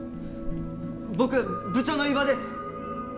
僕部長の伊庭です！